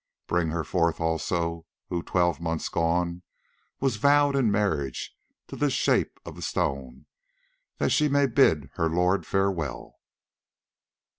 Bring her forth also who, twelve months gone, was vowed in marriage to the Shape of stone, that she may bid her lord farewell."